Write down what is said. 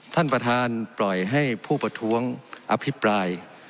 ท่านประธานปล่อยให้ผู้ประท้วงอภิปราย